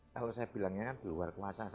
kalau saya bilangnya kan di luar kuasa